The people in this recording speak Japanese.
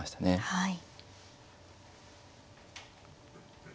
はい。